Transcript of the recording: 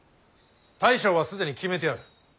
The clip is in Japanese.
大将は既に決めてある。